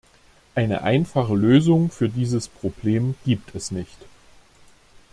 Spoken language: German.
Eine einfache Lösung für dieses Problem gibt es nicht.